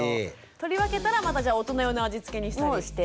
とりわけたらまたじゃあ大人用の味付けにしたりして。